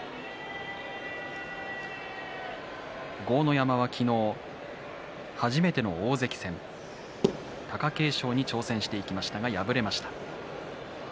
山は昨日、初めての大関戦貴景勝に挑戦していきましたが敗れました。